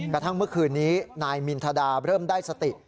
กระทั่งเมื่อคืนนี้นายมินทดาเริ่มได้สติ